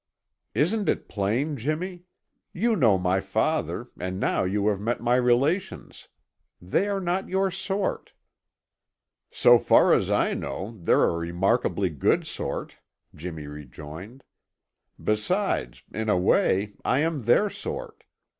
"Isn't it plain, Jimmy? You know my father, and now you have met my relations. They are not your sort." "So far as I know, they're a remarkably good sort," Jimmy rejoined. "Besides, in a way, I am their sort.